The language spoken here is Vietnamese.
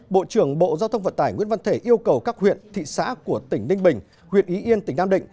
bộ trưởng bộ giao thông vận tải nguyễn văn thể yêu cầu các huyện thị xã của tỉnh ninh bình huyện ý yên tỉnh nam định